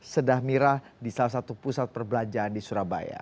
sedah mirah di salah satu pusat perbelanjaan di surabaya